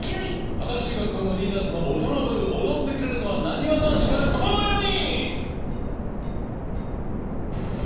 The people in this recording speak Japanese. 新しい学校のリーダーズのオトナブルー、踊ってくれるのはなにわ男子からこの４人。